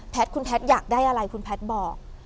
คุณแพทย์อยากได้อะไรคุณแพทย์บอก